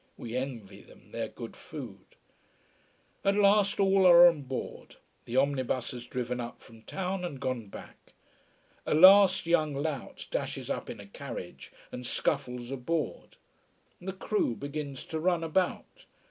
We envy them their good food. At last all are on board the omnibus has driven up from town and gone back. A last young lout dashes up in a carriage and scuffles aboard. The crew begins to run about.